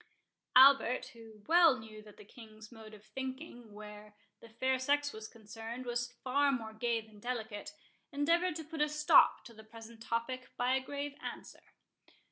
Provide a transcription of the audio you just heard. Albert, who well knew that the King's mode of thinking, where the fair sex was concerned, was far more gay than delicate, endeavoured to put a stop to the present topic by a grave answer.